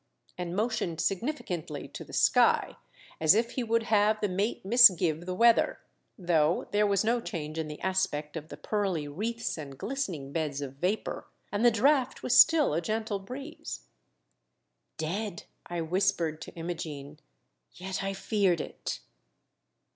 and motioned significantly to the sky, as if he would have the mate misgive the weather, though there was no change in the aspect of the pearly wreaths and glistening beds of vapour, and the drauofht was still a o^entle breeze. o o " Dead !" I whispered to Imogene ; "yet I feared it